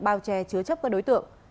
bao che chứa chấp các đối tượng